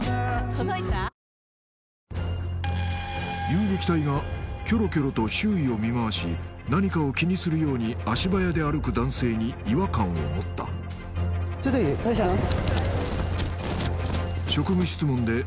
遊撃隊がキョロキョロと周囲を見回し何かを気にするように足早で歩く男性に違和感を持った・どうしたの？